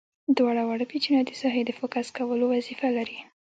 دوه واړه پیچونه د ساحې د فوکس کولو وظیفه لري.